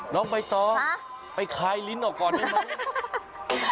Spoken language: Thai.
น้องใบตองไปคลายลิ้นออกก่อนได้ไหม